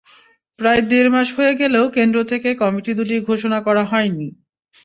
প্রায় দেড় মাস হয়ে গেলেও কেন্দ্র থেকে কমিটি দুটি ঘোষণা করা হয়নি।